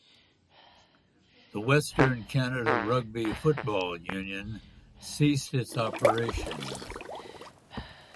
The Western Canada Rugby Football Union ceased its operations.